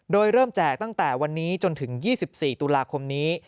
โดยเริ่มแจกตั้งแต่วันนี้จนถึง๒๔ตุลาคมนี้